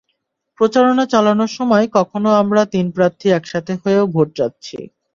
প্রচারণা চালানোর সময় কখনো আমরা তিন প্রার্থী একসঙ্গে হয়েও ভোট চাচ্ছি।